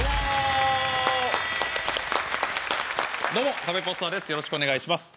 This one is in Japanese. どうも、カベポスターです